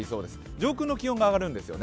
上空の気温が上がるんですよね。